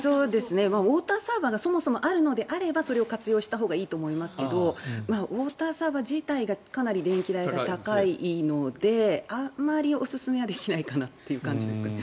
ウォーターサーバーがそもそもあるのであればそれを活用したほうがいいと思いますけどウォーターサーバー自体がかなり電気代が高いのであまりおすすめはできないかなって感じですかね。